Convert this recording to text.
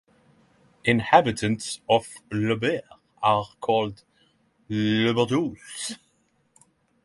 Inhabitants of Laubert are called "Laubertois".